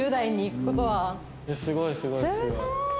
すごいすごいすごい。